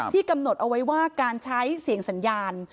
กำหนดเอาไว้ว่าการใช้เสียงสัญญาณ